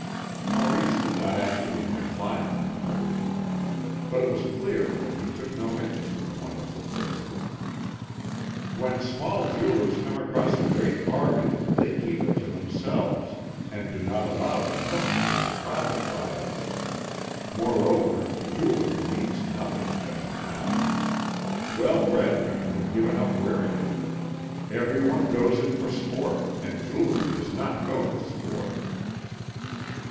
Maurice did not actually decline the proposal. But it was clear that he took no interest in the wonderful bracelet. "When small jewellers come across a great bargain, they keep it to themselves, and do not allow their customers to profit by it. Moreover, jewellery means nothing just now. Well bred women have given up wearing it. Everyone goes in for sport, and jewellery does not go with sport."